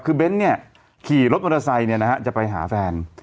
คือเบนท์เนี่ยขี่รถมอเตอร์ไซน์เนี่ยนะฮะจะไปหาแฟน